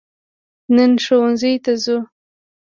نن ښوونځي ته ځو